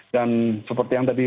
dan seperti yang tadi